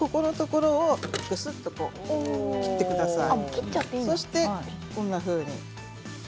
ここのところ、ぶすっと切ってください。